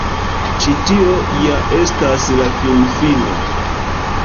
Ĉi tio ja estas la finfino.